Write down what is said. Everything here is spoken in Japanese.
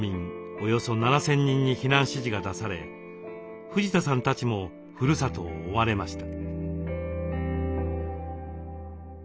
およそ７，０００人に避難指示が出され藤田さんたちもふるさとを追われました。